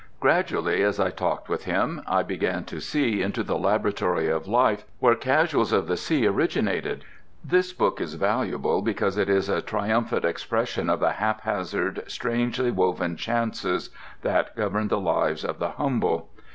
Gradually, as I talked with him, I began to see into the laboratory of life where "Casuals of the Sea" originated. This book is valuable because it is a triumphant expression of the haphazard, strangely woven chances that govern the lives of the humble.